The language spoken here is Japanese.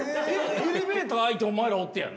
エレベーター開いてお前らおってやな。